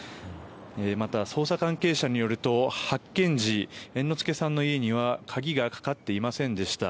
また、捜査関係者によると発見時猿之助さんの家には鍵がかかっていませんでした。